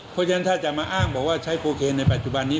เพราะฉะนั้นถ้าจะมาอ้างบอกว่าใช้โคเคนในปัจจุบันนี้